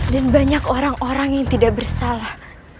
dan banyak orang orang yang tidak bersalah